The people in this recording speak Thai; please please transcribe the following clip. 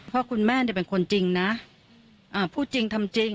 เพราะคุณแม่เนี่ยเป็นคนจริงนะพูดจริงทำจริง